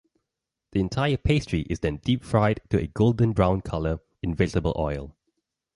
The entire pastry is then deep-fried to a golden brown color, in vegetable oil.